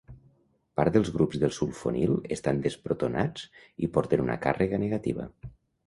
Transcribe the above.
Part dels grups de sulfonil estan desprotonats i porten una càrrega negativa.